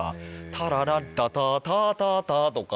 タララッタタタタタとか。